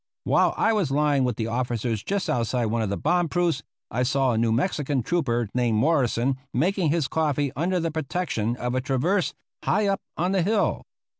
While I was lying with the officers just outside one of the bomb proofs I saw a New Mexican trooper named Morrison making his coffee under the protection of a traverse high up on the hill.